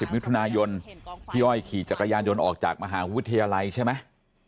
มิถุนายนพี่อ้อยขี่จักรยานยนต์ออกจากมหาวิทยาลัยใช่ไหม